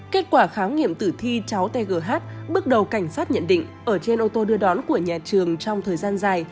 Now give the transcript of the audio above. kết quả kháng nghiệm tử thi cháu t g h bước đầu cảnh sát nhận định ở trên ô tô đưa đón của nhà trường trong thời gian dài